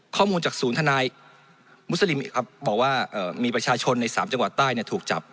ข้อมูลจากศูนย์ทนายมุสลิมบอกว่ามีประชาชนใน๓จังหวัดใต้ถูกจับ